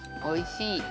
おいしい。